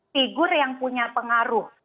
figur yang punya pengaruh